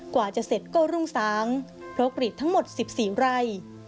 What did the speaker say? กว่าจะเสร็จก็รุ่งสางเพราะกรีดทั้งหมด๑๔ไร่